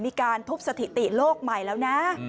มีการทุบสถิติโลกใหม่แล้วนะ